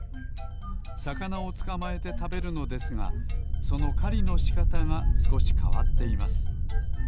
さかなをつかまえてたべるのですがそのかりのしかたがすこしかわっています